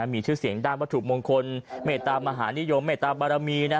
มีชื่อเสียงด้านวัตถุมงคลเมตตามหานิยมเมตตาบารมี